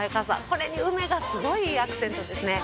これに梅がすごいいいアクセントですね。